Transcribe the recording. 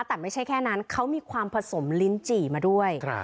แต่ไม่ใช่แค่นั้นเขามีความผสมลิ้นจี่มาด้วย